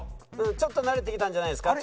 ちょっと慣れてきたんじゃないですか？